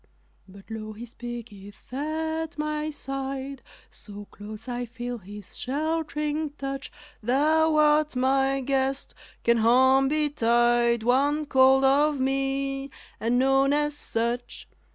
But lo, He speaketh at my side So close I feel His shelt'ring touch, "Thou art my guest, can harm betide _One called of me, and known as such?